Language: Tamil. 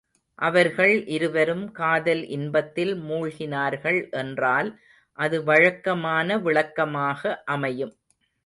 அவர்கள் இருவரும் காதல் இன்பத்தில் மூழ்கினார்கள் என்றால் அது வழக்கமான விளக்கமாக அமையும்.